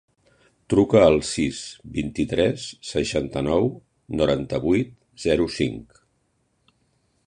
Truca al sis, vint-i-tres, seixanta-nou, noranta-vuit, zero, cinc.